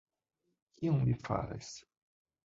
Kion li faras...?